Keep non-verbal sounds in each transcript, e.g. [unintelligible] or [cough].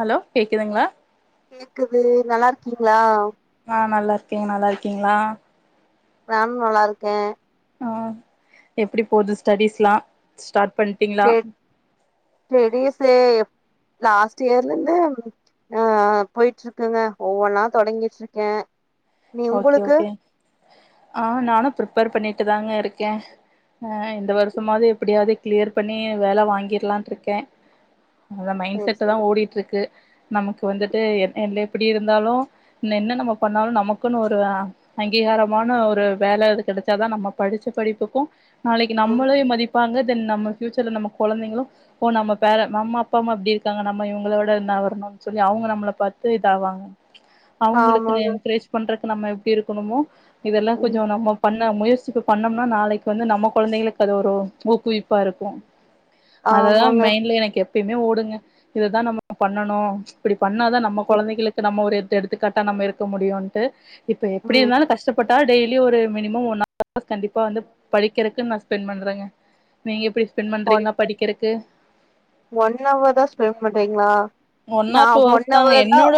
Hello கேக்குதுங்களா கேக்குது நல்லா இருக்கீங்களா ஆஹ் நல்லா இருக்கே நல்லா இருக்கீங்களா நானு நல்லா இருக்கே ஆஹ் எப்டி போது ஸ்டடிஸ்லா ஸ்டார்ட் பண்டிங்களா ஸ்டடிஸு லாஸ்ட் இயர்ல இருந்து ஆஹ்ஆஹ் போயிட்டு இருக்குங்க ஒவ்வொன்னா தொடங்கிட் இருக்கே நீ ஓகே உங்களுக்கு ஓகே ஆஹ் நானு ப்ரிப்பேர் பண்ணிட்டு தாங்க இருக்கே ஆஹ் இந்த வருஷமாவது எப்டியாவது கிளியர் பண்ணி வேல வாங்கிரலாணு இருக்கே அந்த மைண்ட் சரி செட்டு தா சரி ஓடிட்டு இருக்கு நமக்கு வந்துட்டு என் எப்டி இருந்தாலு என்ன நம்ம பண்ணாலு நமக் க்குன்னு ஒரு ஆஹ் அங்கீகாரமான ஒரு வேல இது கெடச்சாதா நம்ப படிச்ச படிப்புக்கு நாளைக்கு ம் நம்மளே மதிப் பாங்க தென் நம்ம ஃபியூச்சர்ல நம்ம கொழந்தைகளு ஓ நம்ம பேர நம்ம அப்பா அம்மா அப்டி இருக்காங்க நம்ம இவங்களோட வரணும்னு சொல்லி அவுங்க நம்மள பாத்து இதாவாங்க அவுங்களுக்குனு ஆமாங்க என்கரேஜ் பண்றதுக் நம்ம எப்டி இருக்கணுமோ இதெல்லா ம் கொஞ்சோ நம்ம பண் முயற்சிக்கு பண்ணோம்னா நாளைக்கு வந்து நம்ம கொழந்தைகளுக்கு அது ஒரு ஊக்குவிப்பா இருக்கு அததா ஆமாங்க மைண்டல எனக்கு எப்பயுமே ஓடுங்க இததா நம்ம பண்ணணு ம்ச் பண்ணாதா நம்ம ம் கொழந்தைகளுக்கு நம்ம ஒரு எடுத் எடுத்துக்காட்டா நம்ம இருக்க முடியுன்டு இப்ப எப்டி ம் இருந்தாலு கஷ்டப்பட் டா டெய்லி ஒரு மினிமம் ஒன் [unintelligible] ஆர்ஸ் கண்டிப்பா வந்து படிக்கிறக்குன்னு நா ஸ்பெண்ட் பண்றங்க நீங்க எப்டி ஸ்பெண்ட் ஒன் பண்றிங்களா படிக்கறக்கு ஒன் நவர் தா ஸ்பெண்ட் பண்றிங்ளா ஒன் ஆர் டூ ஹவர்ஸ் தாங்க என்னோட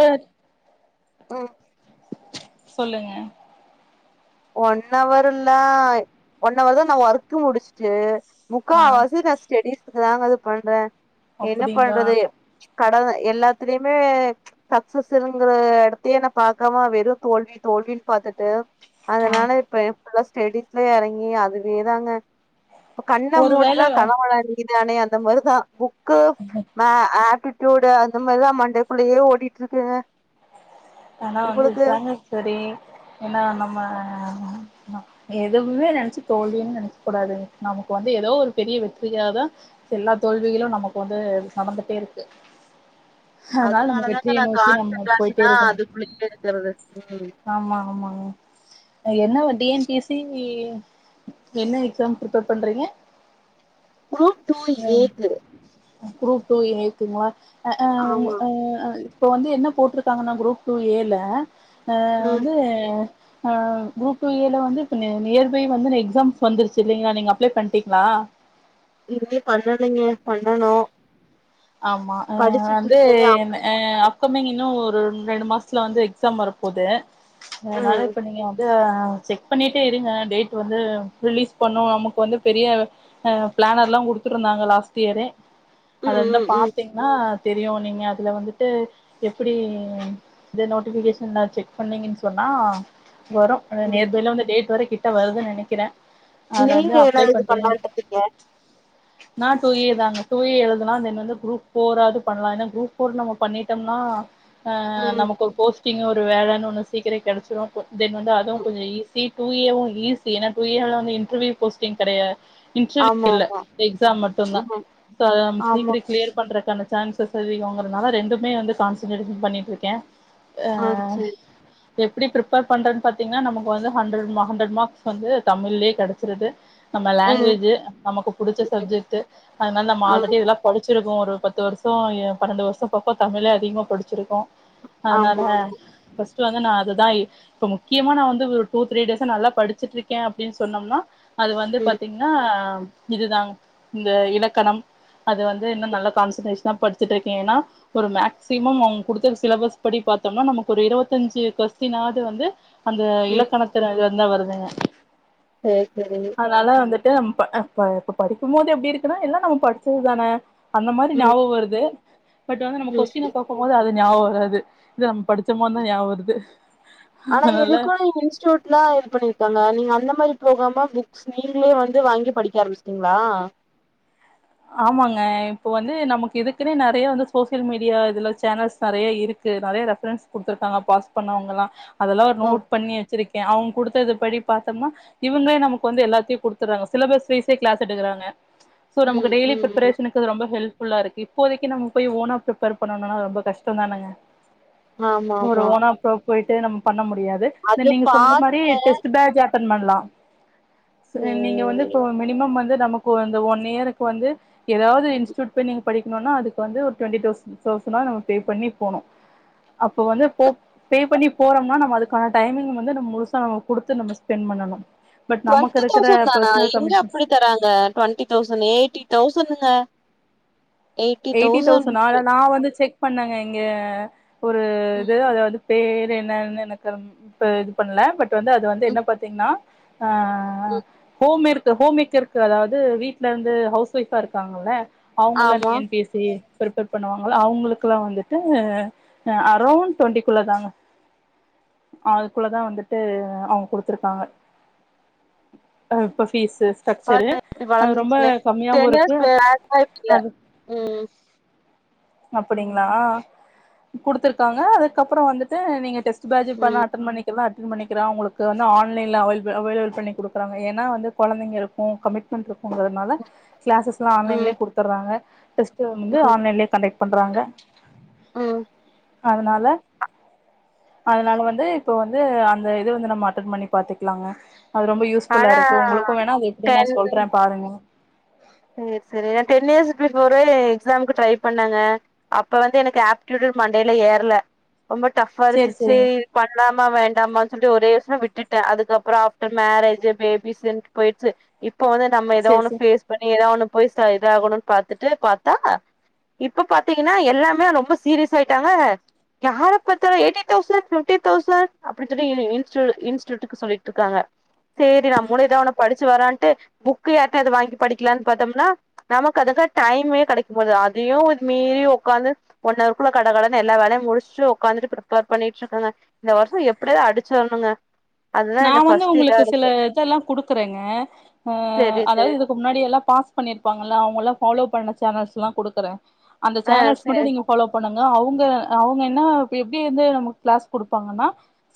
ம் சொல்லுங்க ஒன் அவர்ல்லா ஒன்னவர் தா நா வொர்க்கு முடிச்சிட்டு ஆ முக்காவாசி நா ஸ்டெடிஸ்க்கு தாங்க அது பண்றே என்ன அப்டிங்களா பண்றது கடந்த எல்லாத்துலயுமே ச் சக்சஸ்ஸுங்கற இடத்தையே நா பாக்காம வெறு தோல்வி தோல் தோல்வின்னு பாத்துட்டு ஆ அதனால இப்ப எப்பெல்லா ஸ்டெடிஸ்லயே இறங்கி அதுவே தாங்க இப்ப கண்ண ஒரு மூட்டுனா வேள கனவுல நீதானே அந்த மாரிதா புக்கு மே ஆப்டி டியூடு அந்த மாரிதா மண்டைக்குள்ளேயே ஓடிட்டு இருக்குங்க ஆனா வந்து உங்களுக்கு இத்தாங்க சரி ஏன்னா நம்ம ம எதுவுமே நெனைச்சி தோல்வினு நெனைக்க கூடாதுங்க நமக்கு வந்து ஏதோ ஒரு பெரிய வெற்றியாதா எல்லா தோல்விகளு நமக்கு வந்து நடந்துட்டே இருக்கு அதனால நம்ம அதனாலதாங்க வெற்றிய நா நோக்கி நம்ம போயிட்டே கான்சன்ட்ரேஷனா இருக்கணு அதுக்குள்ளயே இருக்கிறது ம் ஆமா ஆமாங்க என்ன இப்ப T N P S C என்ன எக்ஸாம் பிரிப்பேர் பண்றீங்க குரூப் டூ ஏக்கு குப்ரூப் டூ ஏக்குங்களா அ அ உம் ஆமா ஆ ஆ இப்போ வந்து என்ன போட்ருக்காங்கன்னா குரூப் டூ ஏல அ ம் வந்து ஆஹ குரூப் டூ ஏல வந்து இப்ப நியர் பை வந்து எக்ஸாம்ஸ் வந்துருச்சு இல்லைங்களா நீங்க அப்ளை பண்ட்டீங்களா ஆ இன்னி பண்ணலேங்க பண்ணணு ஆமா ஆ படிச்சுட்டு வந்து இருக்கேனே என் அப்டி அ அப்கம்மிங் இன்னு ஒரு ரெண்டு மாசத்துல வந்து எக்ஸாம் வரப்போது அதனால ம் இப்ப நீங்க வந்து ஆ செக் பண்ணிட்டே இருங்க டேட் வந்து ரிலீஸ் பண்ணோ நமக்கு வந்து பெரிய ஆ பிளானர்லா எல்லா குடுத்துருந்தாங்க லாஸ்ட் இயரு ம் உம் பாத்தீங்ன்னா தெரியு நீங்க அதுல வந்துட்டு எப்படி இந்த நோட்டிஃபிகேஷன்ன செக் பண்ணிங்கன்னு சொன்னா ஆ வரு ம் நியர்பையில வந்து டேட் வரை கிட்ட வருதுன்னு நெனைக்கிறே அத நீங்க வந்து அப்ளை என்னது இது பண்டீங் பண்ணலான்ட்டு இருக்கீங்க நா டூ ஏதாங்க டூ ஏ எழுதுனா தென் வந்து குரூப் ஃபோராது பண்ணலா ஏன்னா குரூப் ஃபோர் நம்ம பண்ணிட்டம்னா ஹ ம் நமக்கொரு போஸ்ட் டிங் ஒரு வேலைனு ஒன்னு சீக்கிர கிடைச்சிரு தென் வந்து அதுவு ம் கொஞ்ச ஈஸி டூ ஏவு ஈஸி ஏன்னா டூ ஏல வந்து இன்டர்வியூ போஸ்டிங் கெடையாது இன்டர்வியூ ஆமா இல்ல ஆமா எக்ஸாம் மட்டுந்தா ம் சோ அத நம்ம ஆமா சீக்கிர கிளியர் பன்றக்கான சான்சஸ் அதிகோங்கிறனால ரெண்டுமே வந்து கான்சன்ட் எடுத்து பண்ணிட்டு இருக்கே ஆ ஆஹ சேரி எப்டி ப்ரிப்பேர் பண்றதுன்னு பாத்தீங்கன்னா நமக்கு வந்து ஹண்ட்ரட் மா ஹண்ட்ரட் மார்க்ஸ் வந்து தமிழ்லேயே கெடைச்சிருது நம்ம ம் லாங்குவேஜ்ஜு நமக்கு புடிச்ச சப்ஜெக்ட்டு அதனால நம்ம ஆ ஆல்ரெடி இதெல்லா படிச்சிருப் போ ஒரு பத்து வருஷ எ பன்னெண்டு வருஷ பக்க தமிழே அதிகமாக படிச்சிருக்கோ அதனால ஆமா ஆமா. இப்ப ஃபஸ்டு வந்து நா அதுதா இப்ப முக்கியமா நா வந்து ஒரு டூ த்ரீ டேஸ்ஸா நல்லா படிச்சிட்டு இருக்கே அப்டின்னு சொன்னோம்னா அது வந்து ம் பாத்தீங்ன்னா இதுதா இந்த இலக்கணம் அது வந் து இன்னு நல்லா கான்சன்ட்ரேஷனா படிச்சிட்டிருக்கே ஏன்னா ஒரு மேக்சிமம் அவங் குடுத்த சிலபஸ் படி பார்த்தோம்னா நம்ம ஒரு இருவத்தஞ்சு கொஸ்டினாவது வந்து அந்த இலக்கணத்துலருந்தா வருதுங்க சேர் சரி அதனால வந்துட்டு இப்ப படிக்கு போது எப்படி இருக்குன்னா எல்லா நம்ம படிச்சது தான அந்த மாரி ம் ஞாபகோ வருது பட் வந்து நம்ம ம் கொஸ்டின பாக்கும் போது அது நியாபகோ வராது நம்ம படிச்ச போதுதா ஞாபகோ வருது ஆனா அதனால எதுக்கு இன்ஸ்டூட் எல்லா இது பண்ணிருக்காங்க நீங்க அந்த மாதிரி போகாம புக்ஸ் நீங்களே வந்து வாங்கி படிக்க ஆரம்பிச்டிங்களா ஆமாங்க இப்ப வந்து நமக்கு இதுக்குன்னே நெறைய வந்து சோசியல் மீடியா இதுல சேனல்ஸ் நெறைய இருக்கு நெறைய ரெபரன்ஸ் குடுத்திருக்காங்க பாஸ் பண்ணவங்க எல்லா அதெல்லா ஓ நோட் பண்ணி வச்சிருக்கே அவங்க குடுத்தது படி பாத்தம்மா இவங்ளே நமக்கு வந்து எல்லாத்தையு குடுத்துடுறாங்க சிலபஸ் வைஸே க்ளாஸ் எடுக்குறாங்க உம் பிலீபிப்பரேஷனுக்கு இது ரொம்ப ஹெல்ப் ஃபுல்லா இருக்கு இப்போதைக்கு நம்ம போய் ஓனா ப்ரிப்பேர் பண்ணனுனா ரொம்ப கஷ்டொந்தானங்க ஆமா ஆமா பொய்ட்டு நம் பண்ண முடியாது த அது நீங்க சொல்ற மாரி பாத்தே டெஸ்ட்டு பேஜ் அட்டன் பன்லா ஸ் அ நீங்க வந்து சேரி இப்ப மினிமம் வந்து நமக்கு அந்த ஒன் இயர் கு வந்து எதாவது இன்ஸ்ட்யூட் பொய் நீங்க படிக்கணூனா அதுக்கு வந்து ஒரு டுவென்ட்டி டவ்ஸ் தௌசனா நம்ம பேப்பண்ணி போனு அப்பொ வந்து பொ பேப்பண்ணி போறம்னா நம்ம அதுக்கான டைமிங் வந்து நம் முழுசா குடுத்து நம்ம ஸ்பெண்ட் பண்ணணு டுவண்ட்டி தௌசண்ட் தானா எங்க அப்டி தராங்க டுவெண்ட்டி தௌசண் எய்ட்டி தௌசனுங்க எயிட்டி தௌசண்ட் ஆஹ் நா வந்து செக் பண்ணங்க இங்க ஒரு இது அத வந்து பேர்ரென்னான்னு எனக்கு ப இது பண்ல பட் வந்து அது வந்து ம் என்ன பாத்திங்னா ஆஹ் ம் ஹோம் மேற்கு ஹோம்மேக்கர்க்கு அதாவது வீட்லர்ந்து ஹவுஸ் வைஃபா இருக்காங்கல்ல அவங்கல்லா டி ஆமா என் தே ப்ரிப்பேர் பண்ணுவாங்கள அவங்களுக்குலா வந்துட்டூ அ அரௌண்ட் டுவெண்டிக்குள்ள தாங்க அதுக்குள்ளதா வந்துட்டு அவங் குடுத்துருக்காங்க அ இப்பஸ் பீஸு ஸ்டக்ச்சரு பழோ எப்டி அது ரொம்ப வளந்துருச்சுன்னு கம்மியாவு இருக்கு அது உம் அப்படிங்ளா குடுத்துருக்காங்க அதுக்கப்பறோ வந்துட்டூ நீங்க டெஸ் பேஜு பண்ணா ம் அட்டன் பண்ணி எல்லா அட்டன் பண்ணிக்கலா உங்களுக்கு வந்து ஆன்லைன்ல அவைல்பு அவைலவு பண்ணி குடுக்கறாங்க ஏனா வந்து கொழந்தைகளுக்கூ கமிட்மெண்ட்ருக் கு அதுனால கிளாஸ்ஸஸ் எல்லா ம் ஆன்லைன்லே குடுத்துர்றாங்க டெஸ்ட் வந்து ஆன்லைன்லே கண்டெக் பண்றாங்க உம் அதனால அதனால வந்து இப்ப வந்து அந்த இது வந்து நம்ம அட்டன் பண்ணி பாத்துக்லாங்க அது ரொம்ப யூஸ்ஃபுல்லா ஆனா இருக்கு உங்களுக்கூ வேணா அது எப்டி நா சொல்ற பாருங்க சேர் செரி டென் இயர்ஸ் பிஃபோரே எக்ஸேம்கு ட்ரை பண்ணங்க அப்ப வந்து எனக்கு யாப்டுடூ மண்டைல ஏறல ரொம்ப டஃப்பா சேரி இருச்சுச்சி சேரிங்க இது பண்லாம் மா வேண்டாமான் சொல்ட்டு ஒரே வருஷோ விட்டுட்ட அதுக்கப்றோ ஆஃப்டர் மேரேஜு பேபிஸ்ன்டு பொயிர்ச்சு இப் இப்பொ வந்து நம்ம ஏதோ சேரி ஒண்ணு சேரி பேஃஸ் பண்ணி ஏதோ ஒண்ணு போய் ச இதாகணுன் பாத்துட்டு பாத்தா இப்ப பாத்திங்கனா எல்லாமே ரொம்ப சீரியஸ் ஆயிட்டாங்க யார பாத்தாலு எயிட்டி தௌசண்ட் பிஃப்டி தௌசண்ட் அப்டி சொல்லி இ இன்ஸ்டூட் இன்ஸ்ட்யூட்க்கு சொல்லிட்ருக்காங்க சேரி நம்மணூ எதாஒன்னு படிச்சு வரான்ட்டு புக்கு யார்டயாது வாங்கி படிக்கலான் பாத்தம்னா நமக்கு அதுக்கா டைமே கெடைக்க போது அதையு மீறி உக்காந்து ஒன் னவர்க்குள்ள கட கடனு எல்லா வேலையு முடிச்ட்டு உக்காந்துட்டு ப்ரிப்பேர் பண்ணிட்ருக்கங்க இந்த வருஷோ எப்டியாது அடிச்சிரணுங்க அதுதா நா என்ன வந்து ஃபர்ஸ்ட் இதா உங்களுக்கு சில இருக்கு இதெல்லா குடுக்குறேங்க அஹ் சேரி அதாவது சேரி இதுக்கு முன்னாடி எல்லா பாஸ் பண்ணிருப்பாங்கல அவங்க பாலோ பண்ண சேனல்ஸ்லா குடுக்குறெ அந்த ஆ சேனல்ஸ் மட்டு சேரி நீங்க பாலோ பண்ணுங் அ அவுங்க அவுங்க என்னா எப்டி அந்து நமக் கிளாஸ் குடுப்பாங்கனா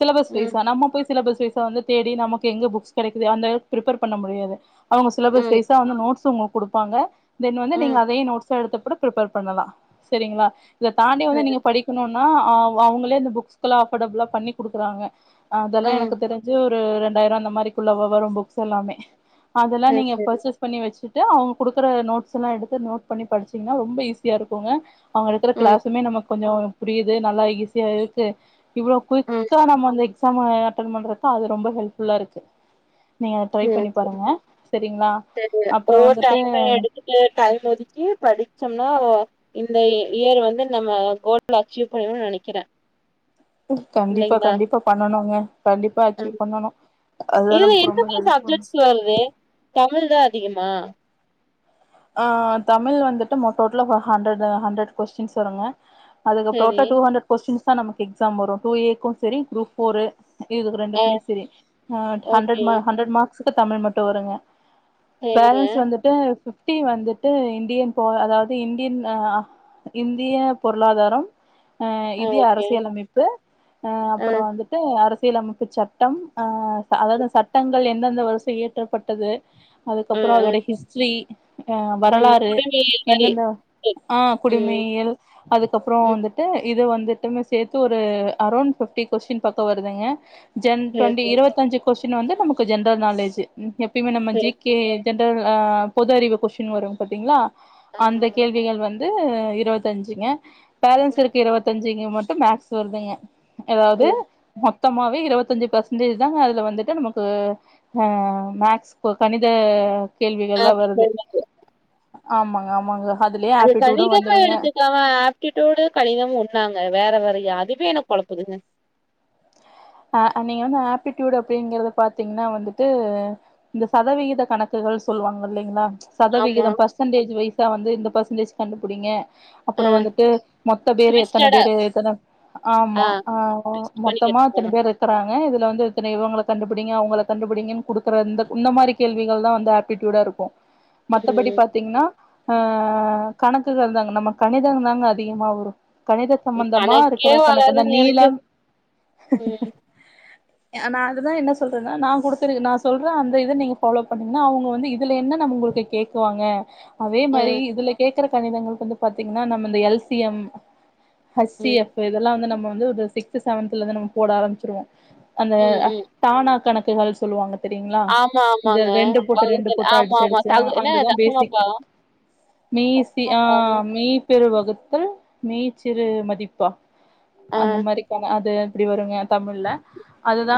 சிலபஸ் ம் வைஸ்ஸா நம்ம பொய் சிலபஸ் வைஸா வந்து தேடி நமக்கு எங்க புக்ஸ் கெடைக்குது அந்த ப்ரிப்பெர் பண்ண முடியாது அவங்க சிலபஸ் ம் வைஸா வந்து நோட்ஸ் உங்கக் குடுப்பாங்க தென் வந்து நீங்க ம் அதே நோட்ஸ் ச எடுத்துகூட ப்ரிப்பேர் பண்ணலா செரிங்ளா இத தாண்டி வந்து சேரி நீங்க படிக்கணூன் நா அவ் அவங்களே அந்த புக்ஸ்க்கெலா அஃபர்டபுளா பண்ணி குடுக்குறாங்க அதெல்லா ம் எனக்கு தெரிஞ் ஒரு இரண்டாயிரொ அந்த மாதிரிக்குள்ள வ வரும் புக்ஸ் எல்லாமே அதெல்லா சேரி நீங்க சேரி பர்ச்சேஸ் பண்ணி வச்சு ட்டு அவுங்க குடுக்குற நோட்ஸ் எல்லா எடுத்து நோட் பண்ணி படிச்சிங்னா ரொம்ப ஈஸியா இருக்குங்க அவங்க எடுக்குற ம் க்ளேஸுமே நமக் கொஞ்சம் புரியுது நல்லா ஈஸியா இருக்கு இவ்வளோ ம் குயக்கா நம்ம எக்ஸாம் அட்ட் பண்ற அது ரொம்ப ஹெல்ப்ஃபுல்லா இருக்கு நீங்க ட்ரை பண்ணி பாருங்க சரிங்களா அப்புறோ ஓரு வந்துட்டு டைம் எடுத்துட்டு டைம் ஒதுக்கி படிச்சோம்னா இந்த இயர் வந்து நம்ம கோல்ல அச்சீவ் பண்ணும்னு நினைக்கிறேன் கண்டிப்பா கண்டிப்பா பண்ணனும்ங்க கண்டிப்பா ம் அச்சீவ் பண்ணனும் இதுல எந்த வயசு அப்ஜெக்ஸ்ல வருது தமிழ் தான் அதிகமா ஆ தமிழ் வந்துட்டு டோட்டலா ஹண்ட்ரட் ஹண்ட்ரட் கொஸ்டின்ஸ் வருங்க சரி அதுக்கப்புறம் டூ ஹண்டரட் கொஸ்டின்ஸ் தான் நமக்கு எக்ஸாம் வரும் டூ ஏக்கும் சரி குரூப் போரு இதுக்கு ஆ ரெண்டுக்குமே சரி ஹ் ஹண்ட்ரட் ஓகே ஹண்ட்ரட் மார்க்ஸுக்கு தமிழ் மட்டும் வருங்க சரிங்க பேலன்ஸ் வந்துட்டு பிப்டி வந்துட்டு இந்தியன் போ அதாவது இந்தியன் இந்திய பொருளாதாரம் ஆ இந்திய ஓகே அரசியலமைப்பு ஆ அப்புறம் வந்துட்டு அரச அரசியலமைப்பு சட்டம் அஹ அதாவது சட்டங்கள் எந்தெந்த வரிசை இயற்றப்பட்டது ஆ அதுக்கப்புறம் ஆ அதோடைய ஹிஸ்டரி அஹ் ம் வரலாறு குடிமையியல் மாரி எந்தெந்த சரி. ஆஹ் ம் குடிமையயில் அதுக்கப்புறம் ம் வந்துட்டு இது வந்து வந்திட்டே சேர்த்து ஒரு அரௌண்ட் பிப்டி கொஸ்டின் பக்கம் வருதுங்க ஜன் சரி டொன்டி சரி இருபத்திஞ்சு கொஸ்டின் வந்து நமக்கு ஜெனரல் நாலேஜ் எப்பயுமே நம்ம ஜி சரி கே ஜென்ரல் பொது அறிவு கொஷின் வரும் பாத்தீங்களா அந்த ஆமாமா கேள்விகள் வந்து இருபத்தஞ்சுங்க பேலன்ஸ் ம் இருக்கு இருபத்தஞ்சுங்க மட்டும் மேக்ஸ் வருதுங்க ஏதாவது ம் மொத்தமாகவே இருபத்தஞ்சு பர்சன்டேஜ் தாங்க அதில் வந்துட்டு நமக்கு ஆ மேக்ஸ் கணித கேள்விகள் எல்லாம் வருது ம [inaudible] ஆமாங்க ஆமாங்க அதுலயே அது ஆப்டிடியூடு கணிதமா வந்துருங்க எடுத்துக்கவ ஆப்டூடு கணிதம் ஒன்னாங்க வேற வேறயா இதுவே எனக்கு குழப்புதுங்க ஹ நீங்க வந்து ஆப்டூடு அப்படிங்கறது பாத்தீங்கன்னா வந்துட்டு இந்த சதவிகித கணக்குகள் சொல்லுவாங்க இல்லலைங்களா ஆமா சதவிகிதம் பர்சன்டேஜ் வைஸா வந்து இந்த பர்சன்டேஜ் கண்டுபிடிங்க ஆ அப்புறம் வந்துட்டு மொத்த பேரு எத்தனை ட்விஸ்டடா பேரு எத்தனை ஆமா ஆ ஆஹ் ட்விஸ்ட் பண்ணி மொத்தமா அத்தனை கேட்ருப்பாங்க பேர் இருக்கறாங்க இது இது வந்து இத்தனை இவங்களை கண்டுபிடிங்க அவங்கள கண்டுபிடிங்கன்னு குடுக்கற இந்த இந்த மாதிரி கேள்விகள் தான் வந்து ஆப்டூடா இருக்கும் மத்தபடி ம் பாத்தீங்கன்னா ஆஹ் கணக்குகள் தாங்க நம்ம கணிதம் தாங்க அதிகமா வரும் கணித சம்பந்தமா கணக்கே இருக்கிற கணக்கு இந்தான் நீளம் உம் ஹ நான் அதுதான் என்ன சொல்றது நான் குடுத்திருக்க நான் சொல்றன் அந்த இதை நீங்க பாலோ பண்ணீங்க அவங்க வந்து இதுல என்ன நம்ம உங்களுக்கு கேக்குவாங்க அதே மாதிரி ம் இதுல கேக்குற கணிதங்களுக்கு வந்து பாத்தீங்கன்னா நம்ம இந்த எல்சியம் ஹி சி ம் எஃப் இதெல்லாம் வந்து நம்ம வந்து ஒரு சிக்ஸ்த் செவன்த்லா வந்து நம்ம போட ஆரம்பச்சிருவோம் அந்த ம் ம் டானா கணக்குகள் சொல்லுவாங்க தெரியரிங்களா ஆமா இந்த ஆமாங்க ரெண்டு போட்டு ரெண்டு பகுத்தல் போட்டு ஆமா ஆமா அடிச்சுடிச்சு தகு என்ன அந்ததான் பேசிக் தசமபாகம் மீசி தசமபாகம் ஆஹ் மீ பெருவகு மீ சிறு மதிப்பா ஆ அந்த மாதிரான அது அப்டி வருங்க தமிழ்ல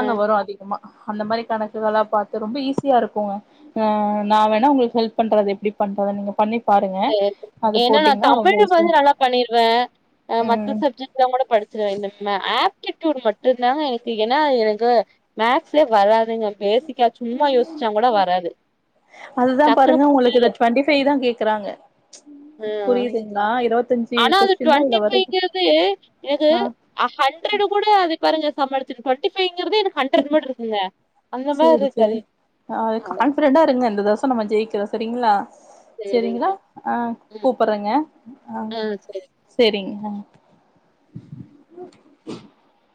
ஆ வரும் அதிகமா அந்த மாதிரி கணக்குகளாம் பார்த்து ரொம்ப ஈஸியா இருக்கும் அஹ் நான் வேணா உங்களுக்கு ஹெல்ப் பண்றது எப்படிப் பண்றதை நீங்க பண்ணி பாருங்க சேரி அது ஏன்னா நான் போட்டீங்கன்னா ரொம்ப தமிழு வந்து யூஸ்ஃபுல் நல்லா பண்ணிருவேன் அஹ் மத்த ம் சப்ஜெக்ட்லாம் கூட படிச்சிருவேன் இந்த மேட்ச்சு ட்ச்சுடு மட்டுந்தான் எனக்கு ஏன்னா எனக்கு மேக்ஸ்ஸே வராது ஏங்க பேசிக்கா சும்மா யோசிச்சாங் கூட வராது அதுதான் டக்குனு பாருங்க போட்டு உங்களுக்கு டுவென்ட்டி ஃபைவ் தான் கேக்குறாங்க ஆ புரியுதுங்களா இருபத் ஆனா அது ட்வென்ட்டி ஃபைவ்ங்கிறது எனக்கு ஆ அ ஹண்ட்ரடு கூட அது பாருங்க சம்மாலிச்சிது ட்வென்ட்டி ஃபைவ் ங்கிறது எனக்கு ஹண்ரட் மாட் ருக்குங்க அந்த மாரி சேரி இருக்கு சேரி அது [unintelligible] சோ நம்ம ஜெயிக்கிறோ செரிங்ளா செரிங்கிளா சரிங்க அ ம் கூப்பற்றேங்க அ ஆ சரி செரிங்க ம்